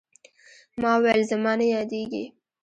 ما وويل زما نه يادېږي.